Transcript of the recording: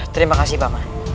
terima kasih paman